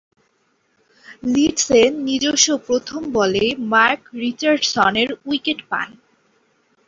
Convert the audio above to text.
লিডসে নিজস্ব প্রথম বলেই মার্ক রিচার্ডসনের উইকেট পান।